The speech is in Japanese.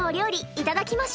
いただきます。